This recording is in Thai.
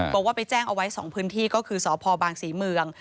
บอกว่าไปแจ้งเอาไว้๒พื้นที่ก็คือสพบางศรีเมือง